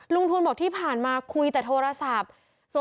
ทวนบอกที่ผ่านมาคุยแต่โทรศัพท์